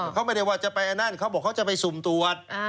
เขาไม่ได้ว่าจะไปอันนั้นเขาบอกเขาจะไปสุ่มตรวจ